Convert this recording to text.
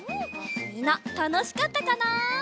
みんなたのしかったかな？